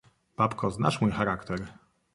"Babko, znasz mój charakter!"